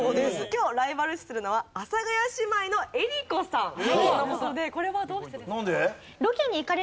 今日ライバル視するのは阿佐ヶ谷姉妹の江里子さんとの事でこれはどうしてですか？